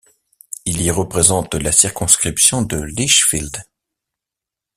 Il y représente la circonscription de Lichfield.